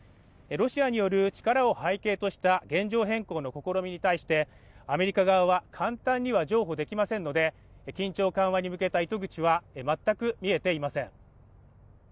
ロシアによる力を背景とした現状変更の試みに対してアメリカ側は簡単には譲歩できませんので緊張緩和に向けた糸口は全く見えていません